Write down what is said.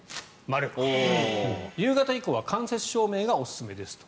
夕方以降は間接照明がおすすめですと。